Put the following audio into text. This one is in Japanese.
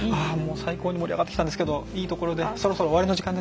最高に盛り上がってきたんですけどいいところでそろそろ終わりの時間です。